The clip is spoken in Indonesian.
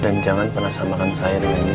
dan jangan pernah samakan saya dengan nino